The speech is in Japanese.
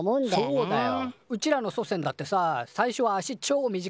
そうだよ。